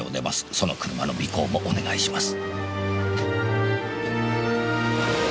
「その車の尾行もお願いします」